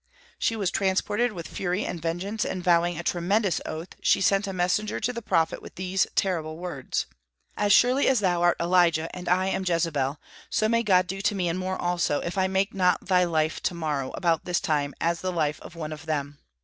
She was transported with fury and vengeance, and vowing a tremendous oath, she sent a messenger to the prophet with these terrible words: "As surely as thou art Elijah and I am Jezebel, so may God do to me and more also, if I make not thy life to morrow, about this time, as the life of one of them."